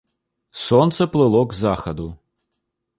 Сонца плыло к захаду.